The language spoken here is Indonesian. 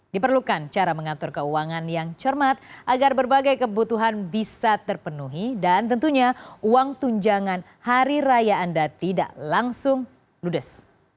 diperlukan cara mengatur keuangan yang cermat agar berbagai kebutuhan bisa terpenuhi dan tentunya uang tunjangan hari raya anda tidak langsung ludes